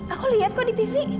aku liat kok di pv